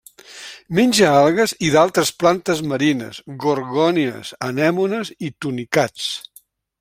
Menja algues i d'altres plantes marines, gorgònies, anemones i tunicats.